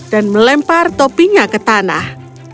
dan melempar topinya ke tanah